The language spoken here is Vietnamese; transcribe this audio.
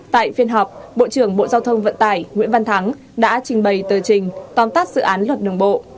tại phiên họp bộ trưởng bộ giao thông vận tải nguyễn văn thắng đã trình bày tờ trình tóm tắt dự án luật đường bộ